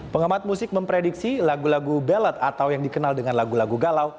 pengamat musik memprediksi lagu lagu ballot atau yang dikenal dengan lagu lagu galau